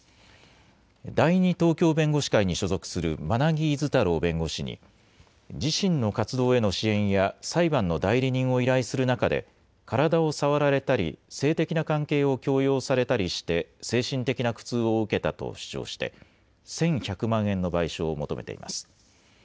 第二東京弁護士会に所属する馬奈木厳太郎弁護士に、自身の活動への支援や、裁判の代理人を依頼する中で、体を触られたり、性的な関係を強要されたりして、精神的な苦痛を受けたと主張して、１１００万円の賠償を求めています。